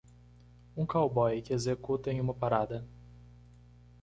Um cowboy que executa em uma parada.